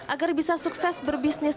agar bisa sukses berbisnis